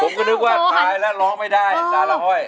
ผมก็นึกว่าตายแล้วร้องไม่ได้ตาละห้อย